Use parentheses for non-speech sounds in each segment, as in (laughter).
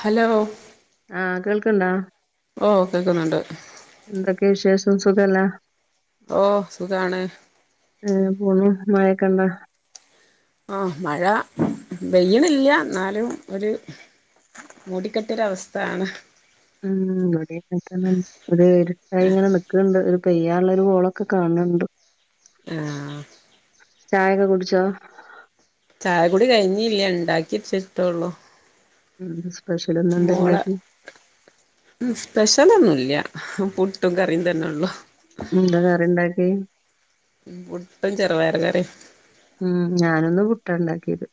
Hello. ആ കേൾക്കണ്ടാ? ഓ കേക്കുന്നുണ്ട്. എന്തൊക്കെ വിശേഷം സുഖല്ലേ? ഓ സുഖാണ്. പോണു മഴക്കെണ്ടോ. ആ മഴ പെയ്യണില്ല എന്നാലും ഒരു. മൂടിക്കെട്ടിയ ഒരവസ്ഥയാണ്. ഉം ഇവിടെയൊക്കെ അങ്ങനതന്നെണ് ഒരു ഇരുട്ടായി ഇങ്ങനെ നിക്കണണ്ട് ഒരു പെയ്യാനുള്ള ഒരു കോളൊക്കെ കാണണുണ്ട്. അ ആ. ചായൊക്കെ കുടിച്ചോ? ചായ കുടി കഴിഞ്ഞില്ല ഉണ്ടാക്കി വെച്ചിട്ടുള്ളൂ. എ സ്പെഷ്യല ഒന്നും എന്താണ്ടാക്കി? സ്പെഷ്യലൊന്നുല്ല പുട്ടും കറിയും തന്നെള്ളു. ന്താ കറി ഇണ്ടാക്കി? പുട്ടും ചെറവയറ് കറി. ഉം ഞാനിന്ന് പുട്ട ഉണ്ടാക്കിയത്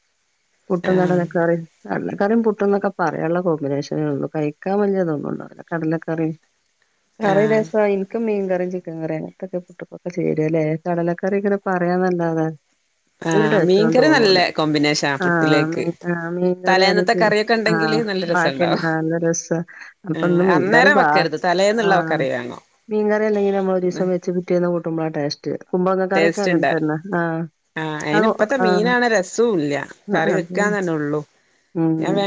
പുട്ടും ആ കടലക്കറിം. കടലക്കറിം പുട്ടന്നൊക്കെ പറയാനുള്ള കോമ്പിനേഷനേ ഉള്ളൂ കഴിക്കാൻ വലിയതൊന്നും ഉണ്ടാവില്ല. കടലക്കറി ആ ചിക്കൻ കറി. പുട്ടിക്കിക്കെ ചേരല്ലേ കടലക്കറി ഇങ്ങനെ പറയാൻന്നല്ലാതാ. ആ വല്യരൊ ടേസ്റ്റൊന്നും മീൻകറി നല്ല തോന്നൂല കോമ്പിനേഷനാ പുട്ടിലേക്ക് ആ മീൻ കറി അത് തലേന്നത്തെ ശെരി. കറിയൊക്കെ ഉണ്ടെങ്കില് ആഹ് നല്ല ബാക്കിണ്ട് രസണ്ടാവും നല്ലരസ അപ്പൊന്ന് മീകറി അന്നേരം ബാ വെക്കരുത് തലേന്നുള്ള ആഹ് കറി വാങ്ങും മീൻ കറി അല്ലെങ്കി നമ്മള ഒരു ദിവസ വെച്ച് പിറ്റേന്ന് കൂട്ടുമ്പോള ടേസ്റ്റ് ടേസ്റ്റ് കുമ്പളങ്ങകറിയൊക്കെങ്ങനെ ഉണ്ട് തന്നെ ആ. ആഹ് അയിന് ഇപ്പത്തെ മീനാണ് രസവും ഇല്ല കറി അത് വെക്കാന്നെള്ളു. ഉം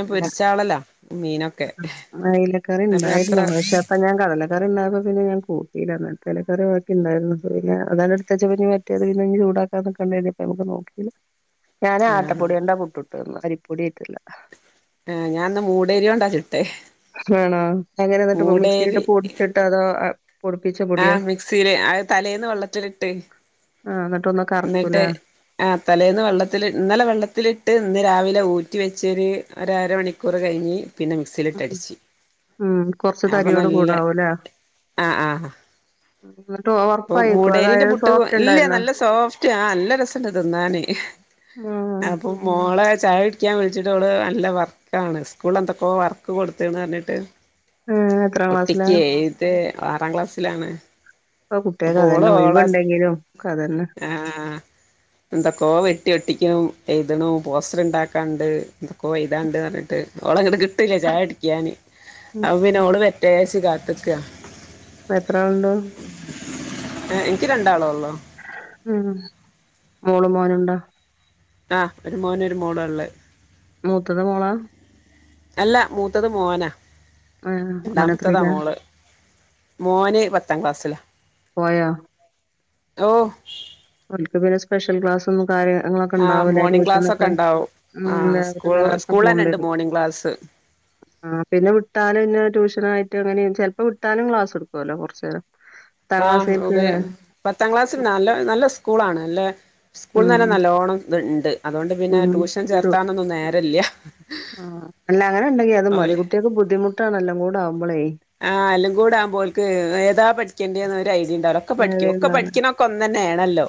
മീനൊക്കെ എന്നാ അയിലക്കറി പിന്നെ അത്ര ഉണ്ടായിരുന്നു പക്ഷെ അപ്പ ഞാൻ കടല ക്ക ഉണ്ടായപ്പോ പിന്നെ ഞാൻ കൂട്ടില്ല ഇന്നലത്തെ ഇലക്കറി ബാക്കി ഇണ്ടായിരുന്നു പിന്ന അതാണ് ഇടുത്തച്ച പിന്നെ. അത് പിന്നെ ചൂടാക്കാൻ നിക്കണ്ടേ രും. അയ്മക്ക് നോക്കീല ഞാന് ആഹ് ആട്ടപ്പൊടിയോണ്ടപുട്ട് ചുട്ടത് അരിപ്പൊടിയേയ്ട്ടല്ല. ആ ഞാൻന്ന് മൂടേരിയോണ്ടാ ചുട്ടേ. ആണോ എങ്ങനെന്നിട്ട് മിക്സിയിലിട്ട് മൂടേരി പൊടിച്ചിട്ട് അതോ പൊടിപ്പിച്ച- പൊടിയോ? ആഹ് മിക്സിയില് അത് തലേന്ന് വെള്ളത്തിലിട്ട്. ആ എന്നിട്ട് ഒന്ന് കറക്കൂലെ. ആ തലേന്ന് വെള്ളത്തി ഇന്നലെ വെള്ളത്തിലിട്ട് ഇന്ന് രാവിലെ ഊറ്റി വെച്ചൊരു അര മണിക്ക്- ക്കൂറ് കഴിഞ്ഞ് പിന്ന മി- സിലിട്ടടിച്ച് ഉം കൊറച്ച് അപ്പം തരിയോട് നല്ല കൂടാവൂല്ലേ? ആ ആ ന്നിട്ട് ഓവർ- ഇപ്പൊ മൂടേരിന്റെ പുട്ട് ഇല്ല നല്ല സോഫ്റ്റ് ആ നല്ല രസംണ്ട് തിന്നാന് മ്ആ അപ്പോ മോളെ ചായ കുടിക്കാൻ വിളിച്ചിട്ട് ഓള് നല്ല വർ കാണ് സ്കൂള് എന്തൊക്കൊ വർക്ക് കൊടുത്തൂന്ന് പറഞ്ഞിട്ട് ഏഹ് എത്രാം ക്ലാസ്സിലാ? ഒട്ടിക്കെ എയ്തെ ആറാം ക്ലാസ്സിലാണ് ഇപ്പൊ കുട്ടേക്ക് അപ്പോ അതെന്നെ ഒഴിവുണ്ടെങ്കിലും ഒക്കെ അതെന്നെ ആ എന്തൊക്കോ വെട്ടി ഒട്ടിക്കും എഴുതണു പോസ്റ്റർ ഇണ്ടാക്കാണ്ട് കൊറെ എയ്താണ്ട് പറഞ്ഞിട്ട് ഓളെ ഇങ്ങിടെ കിട്ടലില്ല ചായ കുടിക്കാന് ഉം അപൊ പിന്നെ ഓള് വരട്ടേച്ചിട്ട് കാത്ത്ക്കാ അപൊ എത്രാള്ണ്ട് ഏ ഇൻക്ക് രണ്ടാളൊള്ളു ഉം മോളും മോനുണ്ടോ ആഹ ഒരു മോനും ഒരു മോളാള്ളേ മൂത്തത് മോളാ അല്ല മൂത്തത് മോനാ ഏഹ് രണ്ടാമത്തതാ മോനെത്രയിലാ? മോള് മോന് പത്താം ക്ലാസ്സിലാ പോയോ ഓ (unintelligible) സ്പെഷ്യൽ ക്ലാസ്സൊന്നും കാര്യങ്ങളൊക്കെ ആഹ് ഉണ്ടാവില്ലേ മോർണിംഗ് ക്ലാസ് ട്യൂഷനൊക്കെ (unintelligible) സ്കൂളന്നെണ്ട് മോർണിംഗ് ക്ലാസ് ആ പിന്നെ വിട്ടാലും പിന്ന ട്യൂഷനാ യിട്ട് അങ്ങനെ ചെലപ്പോ വിട്ടാലും ക്ലാസ് എടുക്കുവല്ലോ കുറച്ചു നേരം (unintelligible) ആഹ് ഉപ പത്താം ക്ലാസ്സിൽ നല്ല നല്ല സ്കൂളാണ് നല്ല സ്കൂളിൽ ഉം തന്നെ നല്ലോണം ഇത് ണ്ട് അതുകൊണ്ട് പിന്നെ ഉം ട്യൂഷൻ തു ചേർത്താനൊന്നും നേരല്ല്യ ആഹ് അല്ല അങ്ങനെ ഇണ്ടെങ്കി അത് മതി കുട്ട്യക്ക് ബുദ്ധിമുട്ടാണ്ണെല്ലാം കൂടെ ആവുമ്പോളേ ആഹ് എല്ലാകൂടാമ്പോ ഓല്ക്ക്ഏതാ പഠിക്കണ്ടന്ന് ഒരു ഐഡിയണ്ടാവല്ലോ ഒക്കെ പഠിക്കും ഒക്കെ പഠിക്ക ക്കൊ ഒന്നന്നെയാണല്ലോ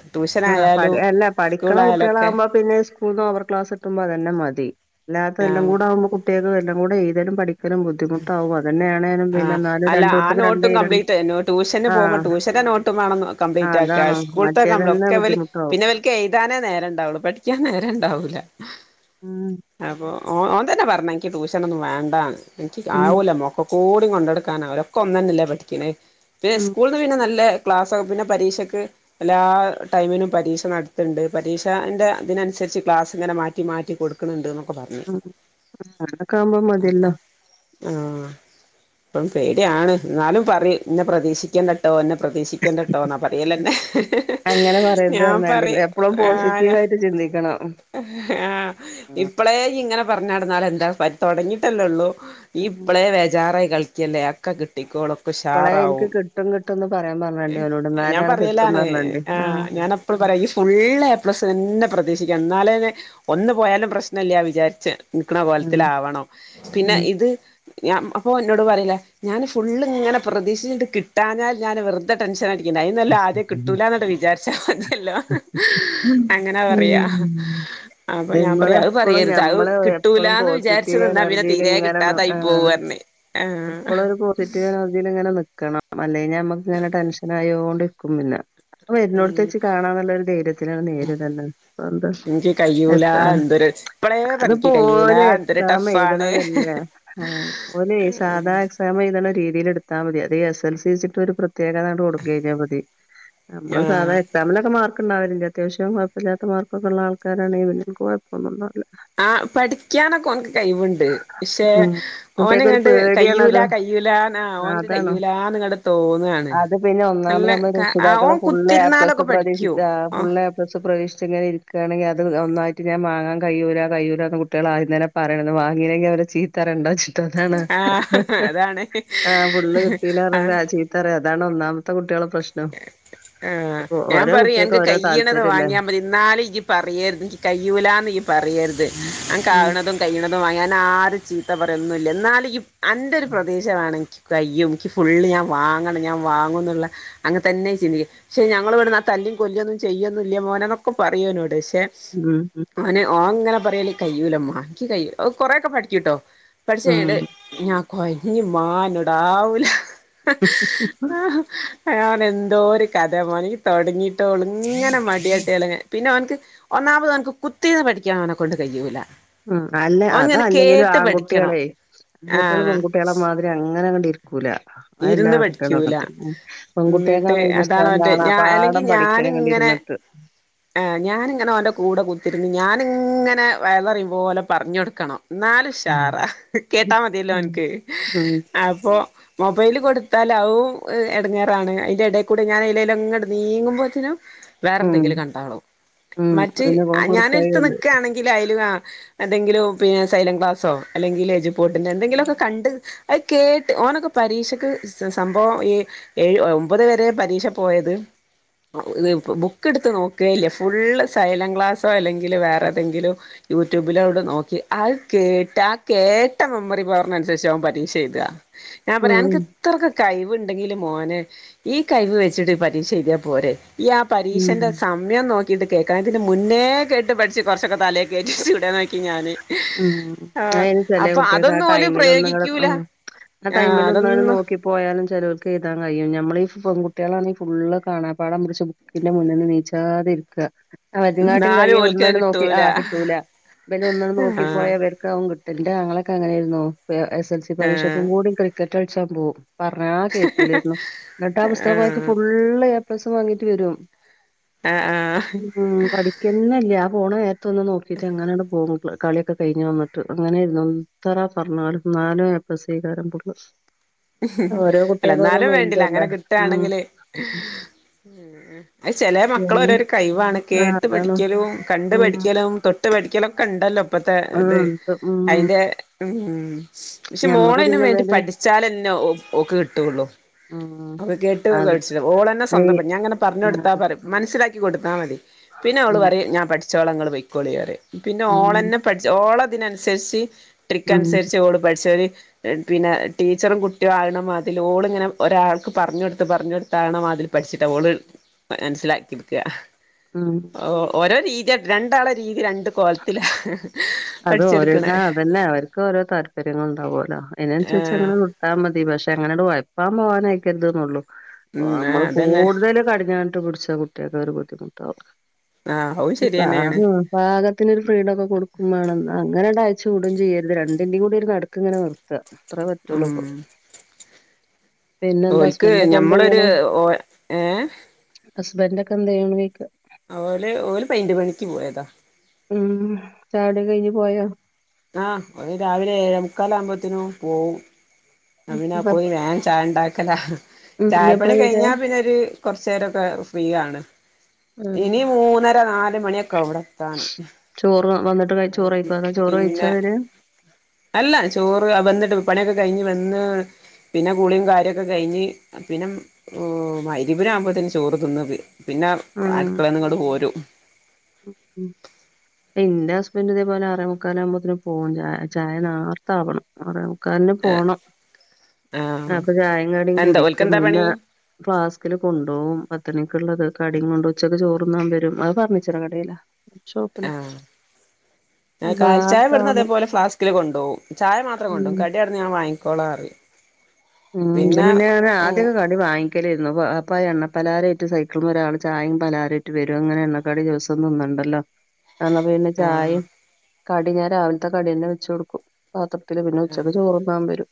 ആ പ അല്ല പഠിക്കണ കുട്ടികളാകുമ്പോ പിന്നെ സ്കൂള്ന്ന് ഓവർ ക്ലാസ്ട്ടുമ്പോ അതന്നെ മതി അല്ലാത്ത എല്ലാം ആഹ് കൂടെ ആമ്പോ കുട്ടികക് എല്ലാം കൂടെഴ്തലും പഠിക്കും ക്കലും ബുദ്ധിമുട്ടാവും അതന്നെയാണേലും പിന്നെ ആഹ് എന്നാലും അല്ല ആ രണ്ടുടത്തക്ക് രണ്ട നോട്ടും കംപ്ലീറ്റ് ട്യൂഷന് ആഹ പോകുമ്പോ ട്യൂഷന്റെ നോട്ടും വേണം കംപ്ലീറ്റ് ആ സ്കൂള്ത്തെ കംപ്ലീ ഒക്കെ ഇവല് ബുദ്ധിമുട്ടാവും പിന്നെ ക്കെ എ്താനേ നേരം ഉണ്ടാവുള്ളു പഠിക്കാൻ നേര ഇണ്ടാവൂല ആ അപ്പൊ ഓ ഓൻ തന്നെ പറഞ്ഞ എനിക്ക് ട്യൂഷനൊന്നും വേണ്ടാന്ന് എനിക്ക് ഉം ആവൂല മോക്ക കൂടി കൊണ്ടടുക്കാനാവൂല ഒക്ക ഒന്നല്ലേ പഠിക്കണ പിന്നെ ഉം സ്കൂൾ പിന്നെ നല്ല ക്ലാസാ പിന്നെ പരീക്ഷക്ക് എല്ലാ ടൈമിനും പരീക്ഷ നടത്തണ്ട് പരീക്ഷന്റെ അതിനനുസരിച്ച് ക്ലാസ് ഇങ്ങനെ മാറ്റി മാറ്റി കൊടുക്കും ക്കണ് ണ്ട്ന്നക്കെ പറഞ്ഞു (unintelligible) ക്കാമ്പോ മതിയല്ലോ ആ അപ്പം പേട്യാണ് എന്നാലും പറ ഇന്നെ പ്രതീക്ഷിക്കേണ്ട ട്ടോ എന്നെ പ്രതീക്ഷിക്കേണ്ടട്ടോ എന്നാ പറയലന്നെ ഞാൻ പറയ പ്ളും പോസിറ്റീവായിട്ട് ചിന്തിക്ക ക്കണം ഹ് ഹ ഇപ്പളെ ഇയ്യ് ഇങ്ങനെ പറഞ്ഞടന്നാലെന്താ പ തൊടങ്ങിട്ടല്ലേള്ളൂ ഈ ഇപ്പളേ വേജാറായി കളി ല്ലേ അക്ക കിട്ടിക്കോളും ഇപ്പളേ എനിക്ക് പുഷാറാവും കിട്ടും കിട്ടുംന്ന് പറയാൻ പറഞ്ഞാണ്ടി ഓനോട് ഞാൻ ഇന്നാലാണ് കിട്ടുംന്ന് പറയിലാണ് പറഞ്ഞാണ്ടി ആഹ് ഞാന പ്പോളും പറയും ഈ ഫുുള്ള് എ പ്ലസ് തന്നെ പ്രതീക്ഷിക്കണം എന്നാലേ ഒന്ന് പോയാലും പ്രശ്നല്ല വിചാരിച്ച് നിക്കണ ഉം പോലത്തിലാവണം പിന്നെ ഉം ഇത് ഞാൻ അപ്പൊ ഇന്നോട് പറീലെ ഞാന് ഫുള്ള്ങ്ങനെ പ്രതീക്ഷിഞ്ഞിട്ട് കിട്ടാഞ്ഞാൽ ഞാൻ വെറ്തെ ടെൻഷനടിക്കേണ്ടേ അയിനുന്നല്ലേ ആദ്യം കിട്ടൂലാന്നാണ്ട് വിചാരിച്ചാ മതിയല്ലോ അങ്ങനെ പറയാ അപ്പൊ ഞാൻ പറയാ അത് നമ്മളെപ്പളും പറയര്ത് അത് ഞമ്മള് കിട്ടൂലാന്ന് വിചാരിച്ച് നിന്നാ പിന്നെ തീരെ ലിങ്ങനെന്ന് കിട്ടാതായി പോവും ആഹ് പറഞ്ഞ് ആഹ് എപ്പളോര് പോസിറ്റീവ് എനർജീല്ങ്ങനെ നിക്കണം അല്ലേഞ്ഞാ ഞമ്മക്ക് ഇങ്ങനെ ടെൻഷനായൊണ്ട്ക്കും പിന്നെ അത് വര്നോട്ത്തെച്ച് കാണാന്ന്ള്ളോര് ധൈര്യത്തിലാണ്ട് നേരിണ്ടെന്നെ അതെന്താ എനിക്ക് കയ്യൂല എത്താ എന്തൊരു ഇപ്പളേ പറയും എനിക്ക് കയ്യൂല അത്പ്പോല് എന്തൊരു ടഫാണ് എക്സാമെഴ്ത്ണതല്ലേ ഹേ ഓലെ സാധാ എക്സ് പ്രേമം ഇുള്ള രീതിയിൽ എടുത്താൽ എക്സാമെഴ്ത്ണ രീതീല് ഇട്ത്താ മതി അത് എസ്എൽസേച്ചിട്ട് ഒര് പ്രത്യേകതാ കൊടുക്കഴിഞ്ഞാ മതി നമ്മള് സാധാ ആഹ് എക്സാമിലൊക്കെ മാർക്ക്ക്കണ്ടാവല്ല്ലേ അത്യാവശ്യം കൊഴപ്പല്ലാത്ത മാർക്കൊക്കെള്ള ആള്ക്കാരാണെ പിന്നെ കൊഴ പ്പോന്നുണ്ടാവൂലാ ആഹ് പഠിക്ക്യാനൊക്കെ ഓന്ക്ക് കഴിവ്ണ്ട് പക്ഷെ ഉം കുട്ടികക്കൊരു ഓന്ങ്ങെട്ട് കയ്യൂല പേടിയാണത് കയ്യൂലാ ആഹ് ആ, ഓന്ക്ക് അതാണ് കയ്യൂലാന്ന്ങ്ങെട്ട് തോന്നാണ് അത് പിന്നെ ഒന്നാമത് നല്ല നമ്മള് ക്കാ ആഹ് രക്ഷിതാക്കള് ഓൻ ഫുള്ള് എ പ്ലസ് കുത്തിര്ന്നാലൊക്കെ പഠിക്ക്യും പ്രതീക്ഷിച്ച് ആഹ് ഫുള്ള് എ പ്ലസ് പ്രതീക്ഷിച്ച്ങ്ങനെ ഇരിക്കാണെങ്കി അത് ഒന്നായിറ്റ് ഞാൻ മാങ്ങാൻ കയ്യൂല കയ്യൂലാന്ന് കുട്ട്യേള് ആദ്യം തന്നെ പറ്യാണ് ഇന്നാ വാങ്ങീലെങ്കി അവരെ ചീത്തറേണ്ടാച്ച് ത്തതാണ് ആഹ് അതാണ് ആഹ് ഫുള്ള് ആഹ് കിട്ടീലാറിമ്പോ ചീ ത്തറിം അതാണ് ഒന്നാമത്തെ കുട്ട്യേളെ പ്രശ്നം ആഹ് ഇപ്പൊ ഞാൻ ഓരോ പറിം കുട്ടികൾക്ക് അന്ക്ക് ഓരോ കയ്യ്ണത് താല്പര്യല്ലേ വാങ്യാ മതി ഇന്നാലും ഇയ്യ് പറയര്ത് ഇൻക്ക് കയ്യൂലാന്ന്യ്യ് പറയര്ത് ഉം ഉം അൻക്കാവ്ണതും കയ്യ്ണത് വാങ്ങ്യ അന്നാരും ചീത്ത പറയൊന്നുല്ല ഇന്നാലും ഇയ്യ് അന്റൊരു പ്രതീക്ഷ വേണെനിക്ക് കയ്യും ഇൻക്കി ഫുള്ള് ഞാൻ വാങ്ങണം ഞാൻ വാങ്ങുന്ന്ള്ളേ അങ്ങനെന്നെ ചിന്തി പക്ഷെ ഞങ്ങളിവ്ട്ന്നാ തല്ലും കൊല്ലൊന്നും ചെയ്യൊന്നും ഇല്ല്യ മോനെന്നൊക്കെ പറയു ഓനോട്‌ പക്ഷെ ഉംഉം ഓന് ഓൻങ്ങനെ പറയല് കയ്യൂലമ്മാ ഇൻക്കി കയ്യൂ ഓൻ കൊറെക്കെ പഠിക്ക്യുട്ടോ പഠിച്ച് കഴിഞ്ഞിട്ട് ഉം ഞാൻ കൊഴങ്ങിമ്മാ ഇനോടാവുല (unintelligible) ഞാൻ പറഞ്ഞ് എന്തോര് കഥെ മോനെ ഇയ്യ് തൊടങ്ങീട്ടോള്ളൂ ഇങ്ങനെ മടിട്ട്യാലെങ്ങനെ പിന്നൊന്ക്ക് ഒന്നാമത് ഓന്ക്ക് കുത്തീര്ന്ന് പഠിക്കാ ഓനെ കൊണ്ട് കയ്യൂല്ല ഉം അല്ല അതല്ലെങ്കിലും ആൺകുട്ട്യേളെ പെൺകുട്ട്യേള് ആഹ് പെൺകു ട്ട്യേളെ മാതിരി അങ്ങനെങ്ങട്ട് ഇരിക്കൂല അതെല്ലാ ഇരുന്ന് ആൺകുട്ട്യേളും പഠിക്കൂല അങ്ങനെതന്നെ ഇന്നിട്ട് പെൺകുട്ട്യേക്കാണെ ഈ അതാണ് ബുസ്തകം ഓന്റെ കാണാ ഞാ അല്ലെങ്കി പാഠം പഠിക്കണങ്ങട്ട് ഞാനിങ്ങനെ ഇര്ന്ന് ട്ട് ആഹ് ഞാനിങ്ങനെ ഓന്റ കൂടെ കുത്തിര്ന്ന് ഞാന്ങ്ങനെ വയളറിം പോലെ പറഞ്ഞോട്ക്കണം ഇന്നാല് ഉം ഉഷാറ കേട്ടാ മതിയല്ലോ ഓന്ക്ക് ഉം അപ്പൊ മൊബൈല് കൊടുത്താലവും എടങ്ങേറാണ് അയിന്റെടേക്കൂടെ ഞാനെയ്ലേലോങ്ങട് നീങ്ങുമ്പോത്തിനും ഉം വേറെന്തെങ്കിലും കണ്ടാളും ഉം മറ്റ് അതിന് ഓൻ ഞാനെര്ത്ത് കൊടുക്കായികണ്ട് നിക്കാണെങ്കിൽ അയ്ല് ആഹ് എന്തെങ്കിലും പിന്നെ സൈലം ക്ലാസോ അല്ലെങ്കിൽ എജു പോർട്ടിന്റെ എന്തെങ്കിലോക്കെ കണ്ട് അത് കേട്ട് ഓനൊക്കെ പരീക്ഷക്ക് സംഭവം ഈ ഏഴ് ഒമ്പത് വരെ പരീക്ഷ പോയത് ഇത് ബുക്ക്ട്ത്ത് നോക്കേല്ല ഫുള്ള് സൈലം ക്ലാസ്സോ അല്ലെങ്കിൽ വേറെതെങ്കിലും യൂട്യൂബിലോവ്ടെ നോക്കി അത് കേട്ടാ ആ കേട്ട മെമ്മറി പവറിനന്സരിച്ചാ അവൻ പരീക്ഷ എഴ്താ (inaudible) ഞാൻ പറ്യാ അനക്ക് ഇത്രക്ക് കഴിവ്ണ്ടെങ്കില് മോനെ ഈ കഴിവ് വെച്ചിട്ട് പരീക്ഷ എഴ്ത്യാ പോരെ ഉം പരീക്ഷന്റെ സമ യം നോക്കീട്ട് കേക്കാൻ ഇതിന് മുന്നേ കേട്ട് പഠിച്ച് കൊറച്ചൊക്കെ തലേകേറ്റിച്ചൂടെന്ന് ചോയിക്കും ഞാന് ഉം ആഹ് അതയിന് ചെലെ അപ്പൊ കുട്ട്യേക്ക് ആ അതൊന്നും ഓല് ടൈമിലൊന്ന്ങ്ങട് പ്രയോഗിക്കൂല ഉം ആ ആഹ് ടൈമിലൊന്നാണ്ട് അതൊന്നും നോക്കി പോയാലും ചേലോല്ക്ക് എഴ്താൻ കയ്യും ഞമ്മളീ പെൺ കുട്ട്യേളാണെ ഫുള്ള് കാണാപാടമ്മക്ക് ചോമ പിന്നെ മുന്നിന്നെണീച്ചാതെ ഇരിക്ക എന്നാലും (unintelligible) ഓൽക്കത് ഒന്നാണ് നോക്കി കിട്ടൂല ആഹ് കിട്ടൂല ഇബനും ഒന്നാണ് നോക്കി ആഹ് (unintelligible) എന്റാങ്ങളെ ക്കങ്ങനാരുന്നു എസ് എൽ സി പരീക്ഷ ആഹ് ഓടി ക്രിക്കറ്റ് കടിച്ചാൻ പോകും പറഞ്ഞാ കേക്കൂലാരുന്നു എന്നിട്ട് ആ പുസ്തകമായിട്ട് ആഹ് ഫുള്ള് എ പ്ലസ് വാങ്ങിട്ട് വരും ആഹ് ആഹ് ഉ പഠിക്കുന്നല്ല ആ പോണ നേരത്തൊന്ന് നോക്കിട്ട് അങ്ങനങ്ങട് പോവും പിള്ളേര് കളിയൊക്കെ കഴിഞ്ഞ് വന്നിട്ട് അങ്ങനെ ഇരുന്നു എത്ര പറഞ്ഞാലും നാല് ഏ പ്ലസേ (unintelligible) അല്ല എന്നാലും വേണ്ടില്ല മൈൻഡല്ലേ. അങ്ങനെ ഉം. കിട്ടുകാണെങ്കില് അയ് ചെലെ മക്കള എന്ന് ഓരോരോ കഴിവാണ് ആഹ് കേട്ട് അതാണ്. പഠിക്കലും കണ്ടു ഉം. പഠിക്കലും തൊട്ട് തൊട്ട് പഠിക്കലൊക്കെണ്ടല്ലോ ഇപ്പത്തെ ആഹ് ഇത് എന്ത് ഉം. അതിന്റെ ഉം പക്ഷെ ഞമ്മക്ക് മോളയിനും പിന്നെ വേണ്ടി ഇവല് പഠിച്ചാലെ ഓക്ക് കിട്ടുള്ളൂ ഉം കേട്ട് അത് പഠിച ഓളന്നെ സ്വന്തം ഏയ് ഞാങ്ങനെ പറഞ്ഞ കൊടുത്താ ആഹ് പറ മനസ്സിലാക്കി കൊടുത്താൽ മതി. പിന്നെ അവള് ഉം പറയും ഞാൻ പഠിച്ചോള ങ്ങള് പോയ്ക്കോളി പറയും. പിന്നെ ഉം ഓളന്നെ ഠിച ഓള തിന്അനുസരിച്ച് ട്രിക്ക് ഉം അനുസരിച്ച് ഓള് പഠിച്ചു പിന്നെ ടീച്ചറും കുട്ടി (unintelligible) അതിൽ ഓളിങ്ങനെ ഒരാൾക്ക് പറഞ്ഞ് കൊടുത്ത് പറഞ്ഞ് കൊടുത്താ ആക്ണ മതിരി പഠിച്ചിട്ടാ ഓള് മനസ്സിലാക്കിട്ക്കാ. ആഹ് ഓ ഓരോ രീതി രണ്ടാള രീതി രണ്ട്. കോലത്തിലാ അത് ഓരോ പഠിച്ചെടുക്കണേ ആ അതന്നെ അവർക്ക് ഓരോ താല്പര്യങ്ങൾ ഉണ്ടാവോലോ? അതിനനുസരിച്ച് ആഹ് അങ്ങനെ ഞ്ഞാ മതി പക്ഷെ എങ്ങനെട്ട് ഒഴ പ്പാൻ പോകാനായിക്കരുതെന്നു ള്ളു. ഉം നമ്മള് ആഹ് അതന്നെ കൂടുതൽ കടിഞ്ഞാ ടിച്ച കുട്ടിയൊക്കെ ഒരു ബുദ്ധിമുട്ടാവും. ആഹ് അതും ശരിയന്നെയാണ് ത്തിരു ഫ്രീഡം ഒക്കെ കൊടുക്കും വേണം. അങ്ങനെ അയച്ച് വിടും ചെയ്യരുത്. രണ്ടിന്റെറെയും കൂടി ഒരു നടക്കിങ്ങനെനിർ. ത അത്രേ പറ്റുള്ളുഇപ്പം. ഉം പിന്നെന്താ ഓൽക്ക് ഞമ്മളൊരു ഹസ്ബന്റൊക്കെന്തെയ്ണു. ഓ ഏ ഹസ്ബന്റൊക്കെ എൻന്തെയ് ണു ന്ന് യ്യ്ക്ക. ഓല് ഓല് പെയിന്റ് പണിക്ക് പോയതാ. ഉം ചായകുടീം കഴിഞ്ഞ് പോയോ? ആഹഓര് രാവിലെ ഏഴേമുക്കാല് ആകുമ്പോത്തിന് പോകും. അങ്ങനെ ഉം അപ് പോയി വേഗം ചായ ണ്ടാക്കല ഉം ഇഞ്ഞ് ചായപ്പണി എപ്പളാ വരാ? കഴിഞ്ഞാ പിന്നൊര്. കൊറച്ച് നേരൊക്കെ ഫ്രീയാണ്. ഉം ഇനി മൂന്നര നാല് മണിയൊക്കെ ആവുംവിടെത്താൻ. ചോറ് വന്നിട്ട് ക ചോറ് കഴിക്കുവന്നാ അ ചോറ് പിന്നെ കഴിച്ചാവര്. അല്ല ചോറ് വന്നിട്ട് പണിയൊക്കെ കഴിഞ്ഞ് വന്ന്. പിന്നെ കുളിയും കാര്യൊക്കെ കഴിഞ്ഞ് പിന്നെ മഗ്‌രിബ് ആവുമ്പോത്തിന്ന് ചോറ് തിന്നത്. പിന്നെ ഉം അടുക്കളേന്നിങ്ങോട്ട് പോരും. ഉം ഇന്റെ ഹസ്ബന്റ് ഇതേപോലെ അറേ മുക്കാല് ആകുമ്പോത്തിന് പോവും. ചായ ചായ നാർത്തവണം. ആറെ മുക്കാലിന് പോണം ആഹ് അപ്പൊ ചായേം, കടിം എന്താ ഓൽക്കെന്താ പണി കുടിക്കുംപിന്നാ ഫ്ലാസ്കില് കൊണ്ടോവും പത്തണിക്ക്ഉള്ളത്. കടിം, കൊണ്ടോ വും ഉച്ചക്ക് ചോറ്തിന്നാൻ വരും. അത് ഫർണിച്ചറ് കടേലാ ഷോപ്പ്ലാ കാൽ ചായ ഇവടുന്ന് അതേപോലെ ഫ്ലാസ്ക്കില് കൊണ്ടോവും ചായ മാത്രം കൊണ്ടോകും. ഉം കടി അവിടുന്ന് ഞാൻ വങ്ങിക്കോളാ അറിം ഉം ഇത് പിന്നെ ഉം ആദ്യക്കെ കടി വാങ്ങിക്കലിരുന്നു അപ്പ എണ്ണ പലാ രായിട്ട് സൈക്കിള്മ്മേ ഒരാൾ ചായയും പലാരായിട്ട് വരും. അങ്ങനെ എണ്ണ ക്കടി ദിവസോം തിന്നണ്ടല്ലോ. അന്നാ പിന്നെ ആഹ് ചായെയും, കടി ഞാൻ രാവിലത്തെ കടിന്നെ വെച്ച് കൊടുക്കും. പാത്രത്തില് പിന്നെ ആഹ് ഉച്ചക്ക് ചോറുണ്ണാൻ വരും.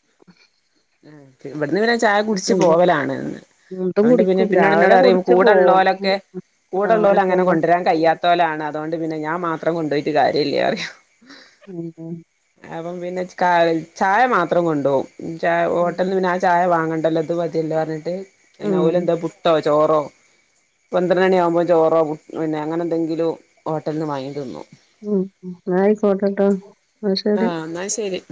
ഇവിടുന്ന് പിന്ന ചായ കുടിച്ച് കൊണ്ടോവും പോവലാണ്. ന്നും ഇതും അതുകൊണ്ട് പിന്നെ കുടിക്കും പിന്നീടെ രാവിലെ ന്നോട് പറിം കുടിച്ച് പോവും ഉം കൂടെഉള്ളോലക്കെ ആ കൂടെല്ലോ ല് അങ്ങനെ പോകുമ്പോ കൊണ്ടുവരാൻ കയ്യാത്തോലാണ് അതുകൊണ്ട് പിന്നെ ഞാൻ മാത്രം കൊണ്ടു പോയിട്ട് കാര്യല്ല പറയും ഉം അപ്പം പിന്നെ ക ചായ മാത്രം കൊണ്ടോവും ചാ ഉം ഹോട്ടല് ചായ വാങ്ങണ്ടല്ലോ ഇത് മതിയല്ലോ പറഞ്ഞിട്ട്. ഉം ഓലെന്തോ പുട്ടോ, ചോറോ പന്ത്ര മണി ആകുമ്പോ ചോറോ പു അങ്ങനെ എന്തെങ്കിലും ഹോട്ടലി നിന്ന് വാങ്ങിതിന്നു. ഉം എന്നാ ആയിക്കോട്ടെട്ടോ ആ ശരി. ആഹ് എന്നാ ശരി